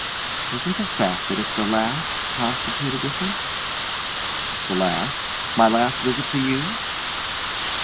"Doesn't the fact that it's the last constitute a difference?" "The last my last visit to you?"